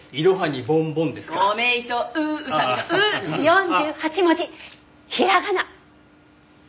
４８文字ひらがな。